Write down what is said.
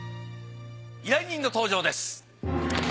依頼人の登場です。